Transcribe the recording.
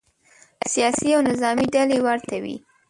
سیاسي او نظامې ډلې ورته وي.